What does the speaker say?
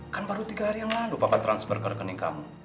kan baru tiga hari yang lalu bapak transfer ke rekening kamu